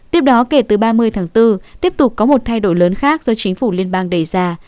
tiếp đó kể từ ba mươi tháng bốn tiếp tục có một thay đổi lớn khác do chính phủ liên bang đầy ra